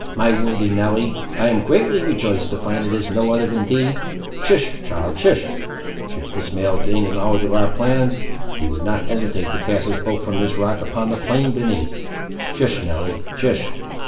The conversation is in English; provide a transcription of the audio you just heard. "My worthy Nelly! I am greatly rejoiced to find it is no other than thee. Hist! child, hist! Should Ishmael gain a knowledge of our plans, he would not hesitate to cast us both from this rock, upon the plain beneath. Hist! Nelly, hist!"